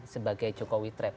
sebagai jokowi trap